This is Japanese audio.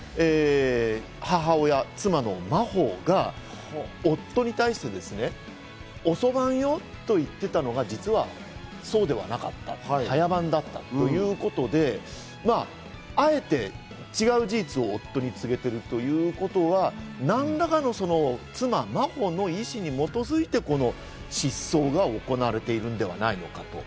母親、妻の真帆が夫に対して、遅番よと言っていたのが実はそうではなかった、早番だったということで、あえて違う事実を夫に告げているということは、何らかの妻・真帆の意思に基づいて失踪が行われているんではないのかと。